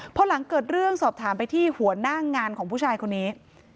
พอหลังเกิดเรื่องสอบถามไปที่หัวหน้างานของผู้ชายคนนี้